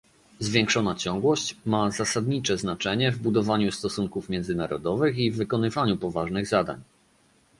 Zwiększona ciągłość ma zasadnicze znaczenie w budowaniu stosunków międzynarodowych i w wykonywaniu poważnych zadań